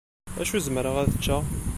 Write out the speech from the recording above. Acu zemreɣ ad ččeɣ?